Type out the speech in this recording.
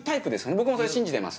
僕もそれ信じてます。